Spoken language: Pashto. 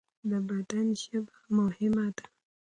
د بدن ژبه مهمه ده.